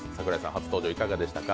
初登場いかがでしたか？